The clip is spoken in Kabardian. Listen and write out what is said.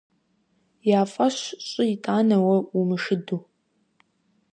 Я фӀэщ щӀы итӀанэ уэ умышыду…